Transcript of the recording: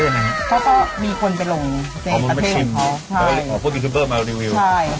แล้วก็ไม่ได้มีแค่เรื่องสูตรทั้งเดียว